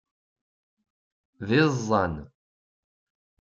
D iẓẓan.